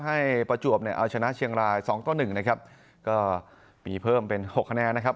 ให้ประจวบเอาชนะเชียงราย๒๑นะครับก็มีเพิ่มเป็น๖คะแนนนะครับ